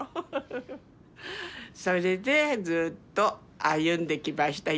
それでずっと歩んできました